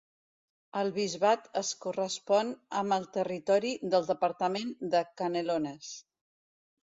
El bisbat es correspon amb el territori del departament de Canelones.